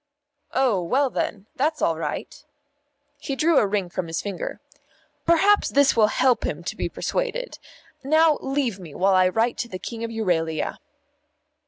"Oh, well, then, that's all right." He drew a ring from his finger. "Perhaps this will help him to be persuaded. Now leave me while I write to the King of Euralia."